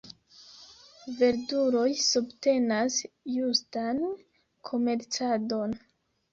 Verduloj subtenas justan komercadon.